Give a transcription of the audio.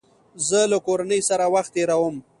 زه له کورنۍ سره وخت تېرووم.